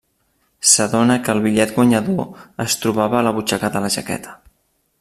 S'adona que el bitllet guanyador es trobava a la butxaca de la jaqueta.